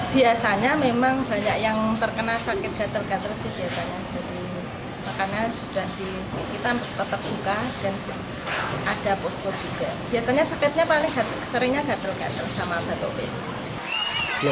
biasanya sakitnya paling seringnya gatel gatel sama batuk batuk